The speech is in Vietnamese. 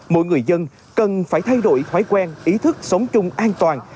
mỗi người dân cần phải thay đổi thói quen ý thức sống chung an toàn